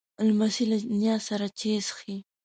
لمسی له نیا سره چای څښي.